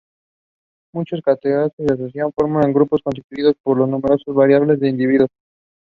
Muchos cetáceos se asocian y forman grupos constituidos por un número variable de individuos.